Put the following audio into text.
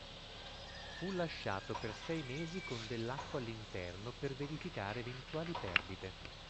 Fu lasciato per sei mesi con dell'acqua all'interno, per verificare eventuali perdite.